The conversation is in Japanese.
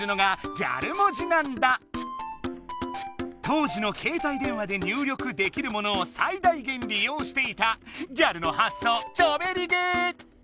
当時の携帯電話で入力できるものを最大げんり用していたギャルのはっそうチョベリグー！